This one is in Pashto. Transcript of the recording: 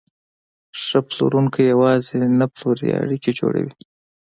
ښه پلورونکی یوازې نه پلوري، اړیکې جوړوي.